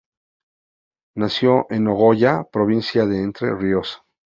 Nació en Nogoyá, provincia de Entre Ríos.